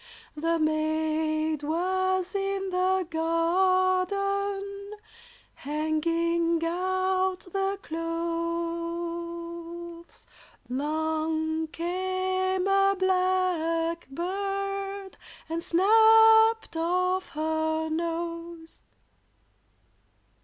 The maid was in the garden, Hanging out the clothes; 'Long came a blackbird And snapt off her nose.